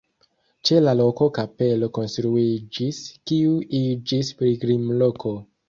Ĉe la loko kapelo konstruiĝis, kiu iĝis pilgrimloko.